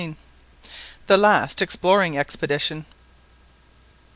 THE LAST EXPLORING EXPEDITION.